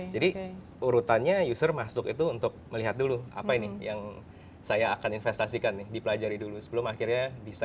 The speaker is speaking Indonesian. jadi urutannya user masuk itu untuk melihat dulu apa ini yang saya akan investasikan dipelajari dulu sebelum akhirnya bisa buat